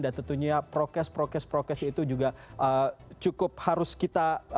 dan tentunya prokes prokes itu juga cukup harus kita